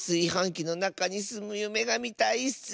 きのなかにすむゆめがみたいッス！